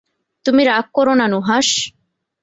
তুমি রাগ করো না নুহাশ।